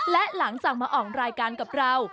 และหลังจากมาออกรายการกับเรา